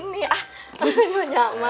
sampai banyak mah